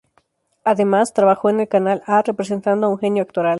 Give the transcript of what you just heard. Además, trabajó en "Canal a", representando a un genio actoral.